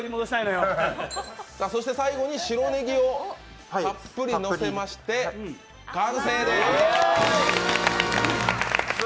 最後に白ねぎをたっぷりのせて完成です。